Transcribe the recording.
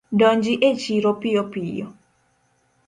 Donji e chiro piyo piyo